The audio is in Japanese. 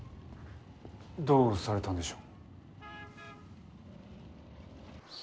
どうされたんでしょう？